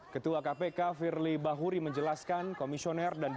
ketua kpk firly bahuri menjelaskan